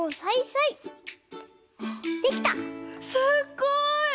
すっごい！